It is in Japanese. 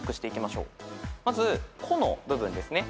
まず「コ」の部分ですね。